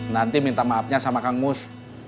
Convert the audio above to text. nanti minta maafnya sama kang mus